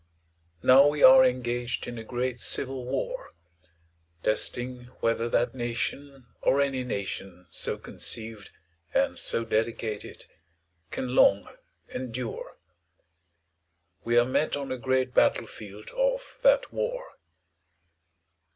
Now we are engaged in a great civil war. . .testing whether that nation, or any nation so conceived and so dedicated. .. can long endure. We are met on a great battlefield of that war.